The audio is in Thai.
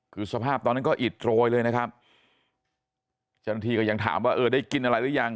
คือสภาพตอนนั้นก็อิดโรยเลยนะครับเจ้าหน้าที่ก็ยังถามว่าเออได้กินอะไรหรือยัง